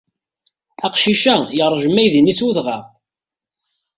Aqcic-a yeṛjem aydi-nni s udɣaɣ.